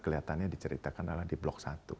kelihatannya diceritakan adalah di blok satu